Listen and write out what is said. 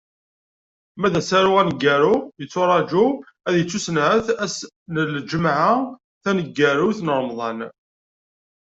Ma d asaru aneggaru, yetturaǧu ad d-yettwasenɛet ass n lǧemɛa taneggarut n Remḍan.